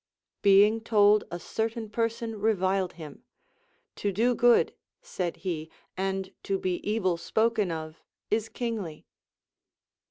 Being told a certain person reviled him. To do good, said he, and to be evil spoken of is kingly.